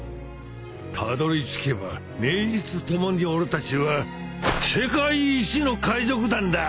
たどりつけば名実ともに俺たちは世界一の海賊団だ！